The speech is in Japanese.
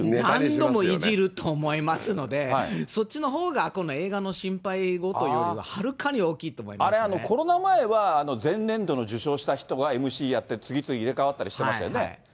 何度もいじると思いますので、そっちのほうが映画の心配というよりは、はるかに大きいと思コロナ前は前年度の受賞した人がＭＣやって、次々入れ代わったりしてましたよね。